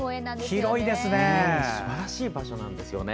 すばらしい場所です。